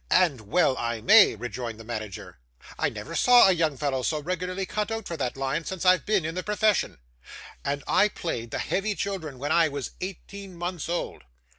'And well I may,' rejoined the manager. 'I never saw a young fellow so regularly cut out for that line, since I've been in the profession. And I played the heavy children when I was eighteen months old.